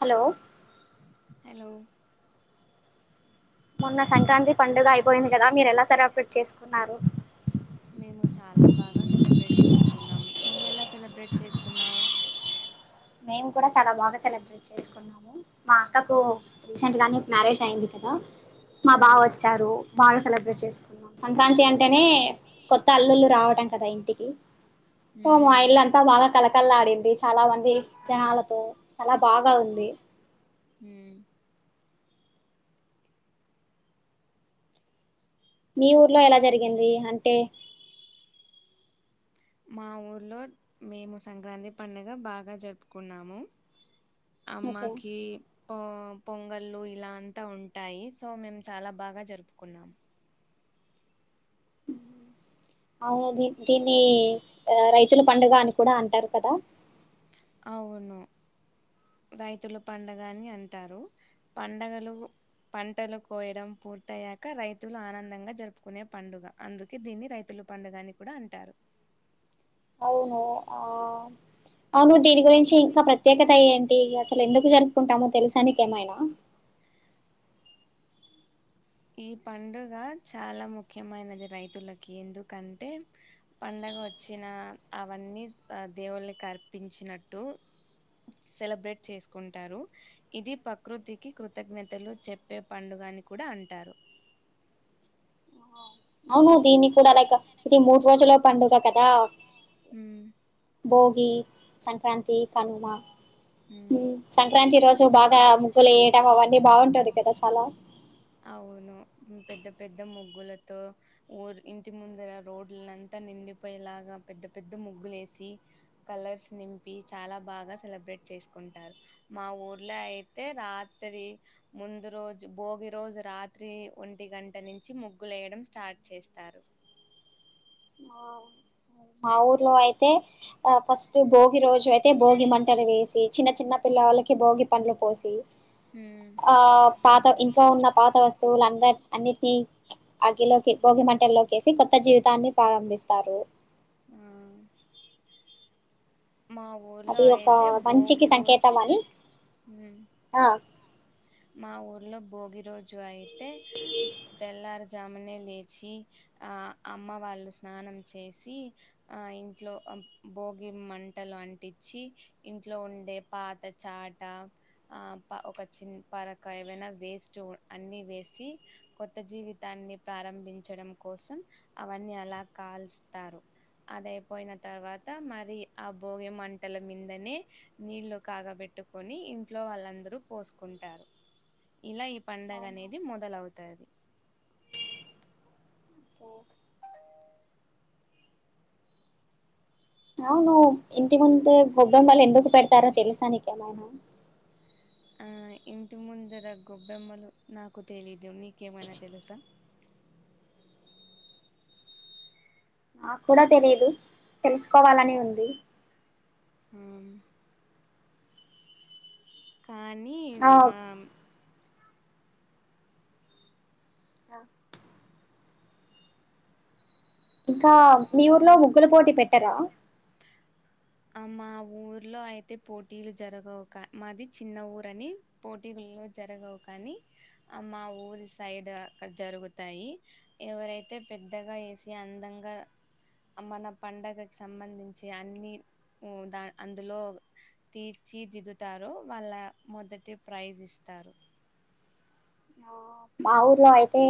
Hello hello మొన్న సంక్రాంతి పండుగ అయిపోయింది కదా మీరు ఎలా సెలబ్రేట్ చేసుకున్నారు నువ్వెలా సెలబ్రేట్ చేసుకున్నావు మేం కూడా చాలా బాగా సెలబ్రేట్ చేసుకున్నాము మా అక్కకు రీసెంట్ గానే మ్యారేజ్ అయింది కదా మా బావ ఉమ్ వచ్చారు బాగా సెలబ్రేట్ చేసుకు సంక్రాంతి అంటేనే కొత్త అల్లుల్లు రావటం కదా ఇంటికి సో మా ఉమ్ ఇల్లు అంతా బాగా కలకలాడింది చాలా మంది జనాలతో చాలా బాగా ఉంది. హ మీ ఊర్లో ఎలా జరిగింది అంటే మా ఊర్లో మేము సంక్రాంతి పండగ బాగా జరుపుకున్నాము. ఓకే అమ్మాకి పో పొంగల్లు ఇలా అంతా ఉంటాయి సో మేము చాలా బాగా జరుపుకున్నాం. అవును దీ దీన్ని రై రైతుల పండుగ అని కూడా అంటారు కదా అవును రైతుల పండగని అంటారు పండగలు పంటలు కోయడం పూర్తయ్యాక రైతులు ఆనందంగా జరుపుకునే పండుగ అందుకే దీన్ని రైతుల పండగని కూడా అంటారు. అవునో ఆ అవును దీని గురించి ఇంకా ప్రత్యేకత ఏంటి అసలు ఎందుకు జరుపు కుంటామో తెలుసా నీకి ఏమైనా ఈ పండుగ చాలా ముఖ్యమైనది రైతులకి ఎందుకంటే పండగ వచ్చిన అవన్నీ దేవుళ్ళకి అర్పించినట్టు సెలబ్రేట్ చేసుకుంటారు ఇది పకృతికి కృతజ్ఞతలు చెప్పే పండుగ అని కూడా అంటు అంటారు అవును దీన్ని కూడా లైక్ ఇది మూడు రోజుల పండుగ కదా హ్మ్ భోగి సంక్రాంతి కనుమ హ్మ్ సంక్రాంతి రోజు బాగా ముగ్గులు వేయడం అవన్నీ బాగుంటది కదా చాలా అవును. హ్మ్. పెద్ద పెద్ద ముగ్గులతో ఊర్ ఇంటి ముందర రోడ్లంతా నిండిపోయేలాగా పెద్ద పెద్ద ముగ్గులు వేసి కలర్స్ నింపి చాలా బాగా సెలబ్రేట్ చేసుకుంటారు మా ఊర్లో అయితే రాత్రి ముందు రోజు భోగి రోజు రాత్రి ఒంటి గంట నుంచి ముగ్గులు వేయడం స్టార్ట్ చేస్తారు. ఆ, మా ఊర్లో అయితే ఆ ఫస్ట్ బోగి రోజు అయి అయితే భోగి మంటలు వేసి చిన్న చిన్న పిల్లవాళ్లకి భోగి పండ్లు పోసి హ్మ్. ఆ పాత ఇంట్లో ఉన్న పాత వస్తువులున్నీ అన్నిటిని అగ్గిలోకి భోగి మంటల్లోకేసి కొత్త జీవితాన్ని ప్రారంభిస్తారు. ఆ మా ఊర్లో అది ఒక అయితే మంచికి భోగి రోజు సంకేతం అని ఉహ్ ఆ మా ఊర్లో భోగి రోజు అయితే తెల్లారుజామునే లేచి ఆ అమ్మ వాళ్ళు స్నానం చేసి ఆ ఇంట్లో భోగి మంటలు అంటించి ఇంట్లో ఉండే పాత చాట ఆ పా ఒక చిన్న పరక ఏమైనా వేస్ట్ వు అన్ని వేసి కొత్త జీవితాన్ని ప్రారంభించడం కోసం అవన్నీ అలా కాలుస్తారు అదయిపోయిన తర్వాత మరి ఆ భోగి మంటల మీందనే నీళ్లు కాగబెట్టుకొని ఇంట్లో వాళ్ళందరూ పోసుకుంటారు. ఇలా ఇ పండగ అనేది మొదలవుతాది అవును ఇంటి ముందు గొబ్బెమ్మలు ఎందుకు పెడతారో తెలుసా నీకేమైనా ఆ ఇంటి ముందర గొబ్బెమ్మలు నాకు తెలీదు నీకేమైనా తెలుసా నాకు కూడా తెలియదు తెలుసుకోవాలని ఉంది. ఆ కానీ ఆ ఇంకా మీ ఊర్లో ముగ్గుల పోటీ పెట్టరా ఆ మా ఊర్లో అయితే పోటీలు జరగవు కా మాది చిన్న ఊరని పోటీలో జరగవు కానీ ఆ మా ఊరి సైడ్ అక్కడ జరుగుతాయి ఎవరైతే పెద్దగా వేసి అందంగా మన పండగకి సంబంధించి అన్ని ఉ దా అందులో తీర్చి దిద్దుతారో వాళ్ళ మొదటి ప్రైజ్ ఇస్తారు. ఆ, మా ఊర్లో అయితే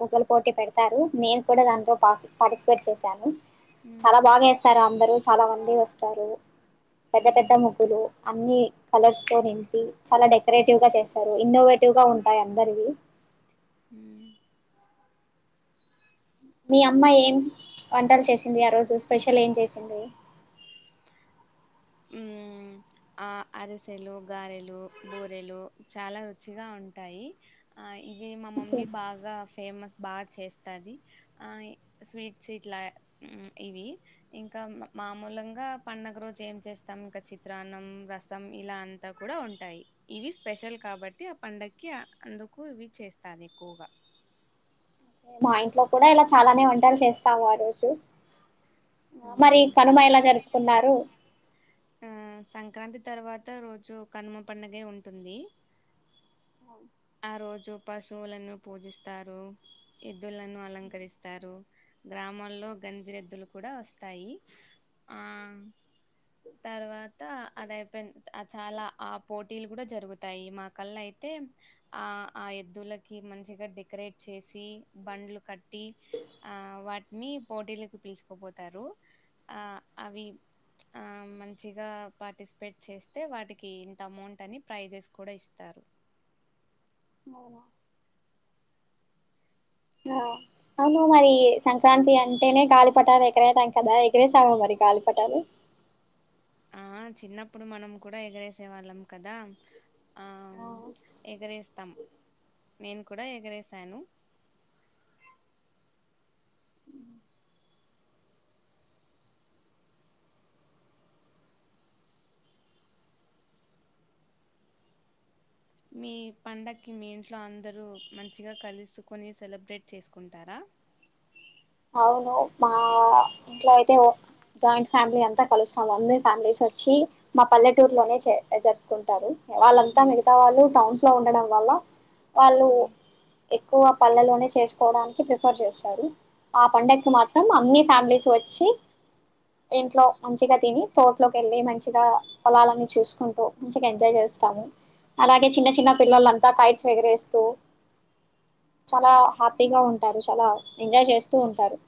ముగ్గులి పోటీ పెడతారు నేను కూడా దాంతో పా పార్టిసిపేట్ చేశాను ఉమ్ చాలా బాగా వేస్తారు అందరుూ చాలా మంది వస్ తారు పెద్ద పెద్ద మ్మ్ ముగులు అన్ని కలర్స్తో నింపి క్రియేటివ్ చేస్తారు ఇన్నోవేటివ్గా ఉంటాయ రిది మీ అమ్మా ఏం వంటలు చేసి ఆ రజు స్పెషల్ ఏం చేసింది ఉ ఆ అరిసెలు గారెలు బూరెలు చాలా రుచిగా ఉంటాయి ఆ మా ఓకే మమ్మీ బాగా ఫేమస్ బాగా చేస్తది ఆ స్వీట్స్ ఇట్లా ఇవి ఇంకా మామూలుంగా పడుగ రోజు ఏం చేస్తాం ఇంకా చిత్రాన్నం రసం ఇలా అంతా కూడా ఉంటాయి ఇవి స్పెషల్ కాబట్టి ఆ పండగకి అందుకు ఇవి చేస్తాంది ఎక్కువగా మా ఇంట్లో కూడా ఇలా చాలానే వంటలు చేస్తాము ఆ రోజు ఆ మరి కనుమ ఎలా జరుపుకున్నారు ఆ, సంక్రాంతి తర్వాత రోజు కనుమ పండగ ఉంటుంది ఆ రోజు పశువులను పూజిస్తారు ఎద్దులను అలంకరిస్తారు గ్రామాల్లో గంధరెద్దులు కూడా వస్తాయి ఆ తర్వాత అదైపో చాలా ఆ పోటీలు కూడా జరుగుతాయి మా కల్లా అయితే ఆ ఆ ఎద్దులకి మంచిగా డెకరేట్ చేసి బండ్లు కట్టి ఆ వాటిని పోటీలకు పిలుచుకోపోతారు ఆ అవి మంచిగా పార్టిసిపేట్ చేస్తే వాటికి ఇంత అమౌంట్ అని ప్రైజెస్ కూడా ఇస్తారు అవునా అవును అ మరి ఇ సంక్రాంతి అంటేనే గాలిపటాలు ఎగరేయడం కదా ఎగరేసవ మరి గాలిపట్టాలు ఆ చిన్నప్పుడు మనం కూడా ఎగరేసే వాళ్ళం కదా ఆ, ఎగరేస్తం నేను కూడా ఎగరేేశాను మీ పండగకి మీ ఇంట్లో అందరూ మంచిగా కలుసుకొని సెలబ్రేట్ చేసుకుంటారా అవును మా ఇంట్లో అయితే జాయింట్ ఫ్యామిలీ అంతా కలుస్తాం అంద ఫ్యామిలీస్ వచ్చి మా పల్లెటూర్ లోనే జరుపుకుంటారు వాళ్ళంతా హ్మ్. మిగతా వాళ్ళు టౌన్స్ లో ఉండడం వల్ల వాళ్ళు హ్మ్. ఎక్కువ ఆ పళ్లలోనే చేసుకోవడానికి ప్రిఫర్ చేస్తారు ఆ పండకు మాత్రం అన్ని ఫ్యామిలీస్ వచ్చి ఇంట్లో మంచిగా తిని తోట్లోకి వెళ్ళి మంచిగా పొలాలన్నీ చూసుకుంటూ మంచిగా ఎంజాయ్ చేస్తాము అలాగే చిన్న చిన్న హ్మ్. పిల్లలంతా కైడ్స్ ఎగిరేస్తూ చాలా హ్యాపీగా ఉంటారు చాలా ఎంజాయ్ చేస్త ఉంటారు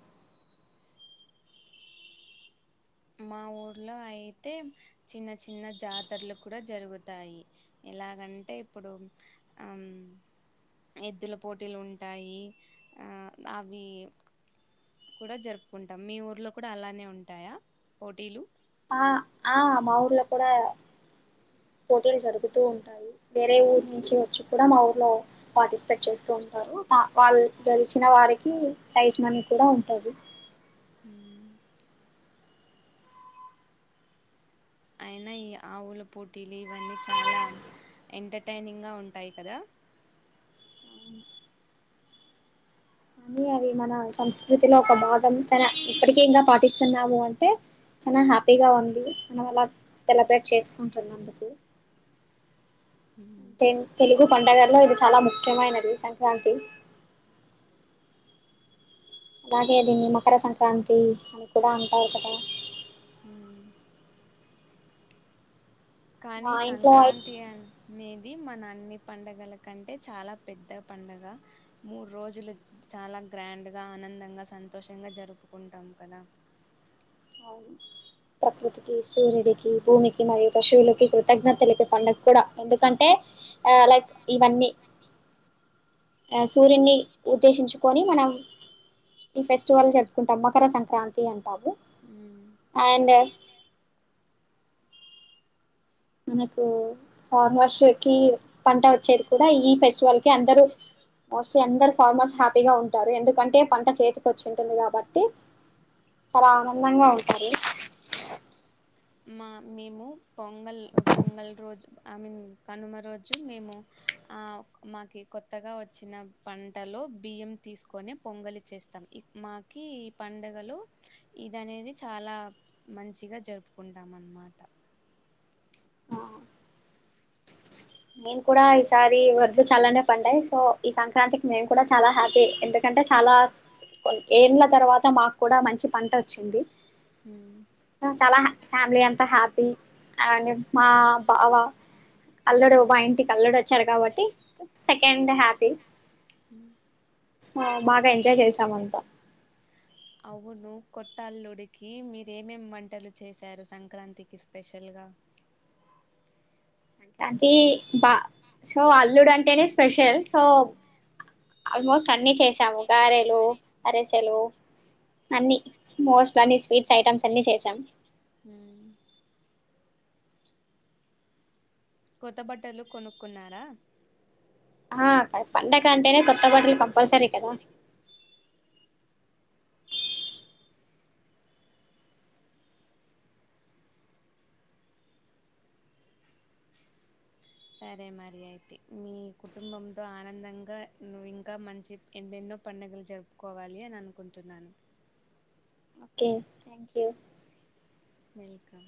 మా ఊర్లో అయితే చిన్న చిన్న జాతరలు కూడా జరుగుతాయి ఎలాగంటే ఇప్పుడు ఆ ఎద్దుల పోటీలు ఉంటాయి ఆ అవి కూడా జరుపుకుంటాం మీ ఊర్లో కూడా అలానే ఉంటాయా పోటీలు ఆ ఆ మా ఊర్లో కూడా పోటీలు జరుగుతూ ఉంటాయి వేరే ఊరు నుంచి వచ్చి కూడా మా ఊర్లో పార్టిసిపేట్ చేస్తూ ఉంటారు వాళ్ళు గెలిచిన వారికి ప్రైజ్ మనీ కూడా ఉంటంది అ అయినా ఈ ఆవుల పోటీలు ఇవన్నీ చాలా ఎంటర్టైనింగ్గా ఉంటాయి కదా కానీ అవి మన సంస్కృతిలో ఒక భాగం ఇప్పటిక ఇంకా పాటిస్తున్నాము అంటే చాల హ్యాపీగా ఉంది మనం అలా సెలబ్రేట్ చేసుకుంటున్నందుకు మ్మ్. తె తెలుగు పండుగలలో ఇది చాలా ముఖ్యమైనది సంక్రాంతి అలాగే దీన్ని మకర సంక్రాంతి అని కూడా అంటారు కదా మ్మ్. కానీ మా ఇంట్లో సంక్రాంతి ఉ అనేది మన అన్ని పండగల కంటే చాలా పెద్ద పండగ మూడు రోజులు చాలా గ్రాండ్గా ఆనందంగా సంతోషంగా జరుపుకుంటాం కదా అవును ప్రకృతికి సూర్యుడికి భూమికి మరియు పశువులకి కృతజ్ఞతలు పండగ కూడా ఎందుకంటే ఆ లైక్ ఇవన్నీ ఆ సూర్యున్ని ఉద్దేశించుకొని మనం ఈ ఫెస్టివల్ జరుపుకుంటాం మకర సంక్రాంతి అంట కాదు మ్మ్ అండ్ మనకు ఫార్మర్స్కి పంట వచ్చేది కూడా ఈ ఫెస్టివల్కి అందరూ మోస్ట్లీ అందరు ఫార్మర్స్ హ్యాపీగా ఉంటారు ఎందుకంటే పంట చేతికి వచ్చి ఉంటుంది కాబట్టి చాలా ఆనందంగా ఉంటారు మా మేము పొంగల్ పొంగల్ రోజు మీ కనుమ రోజు మేము ఆ మాకి కొత్తగా వచ్చిన పంటలో బియ్యం తీసుకొని పొంగలి చేస్తాం మాకి ఈ పడుగలు ఇదనేది చాలా మంచిగా జరుపుకుంటాం అన్నమాట మీన్ కూడా ఈసారి వడ్లు చాలానే పండాయి సో ఈ సం అ నేను కూడా చాలా హ్యాపీ ఎందుకంటే చాలా ఏళ్ల తర్వాత మాకు కూడా మంచి పంట వచ్చింది మ్మ్ చాల ఫ్యామిలీ అంతా హ్యాపీ అ మా బావా హు అల్లుడు వచ్చాడు కాబట్టి సెకండ్ హ్యాపీ హు హ బాగా ఎంజాయ్ చేసామంతా అవును కొత్తల్లుడికి మీరు ఏమేం వంటలు చేశారు సంక్రాంతికి స్పెషల్గా అ అది బా సో అల్లుడు అంటేనే స్పెషల్ సో ఆల్మోస్ట్ అన్ని చేసాము గారెలు అరిసెలు అన్ని మోస్ట్ కానీ స్వీట్స్ ఐటమ్స్ అన్నీ చేసాం కొత్త బట్టలు కొనుక్కున్నారా ఆ పండగ అంటేనే కొత్త బట్టలు కంపల్సరీ ఆ సరే మరి అయితే మీ కుటుంబంతో ఆనందంగా నువ్వు ఇంకా మంచి ఎన్నెన్నో పండుగలు జరుపుకోవాలి అని అనుకుంటున్నాను ఓకే థ్యాంక్ యూ వెల్కమ్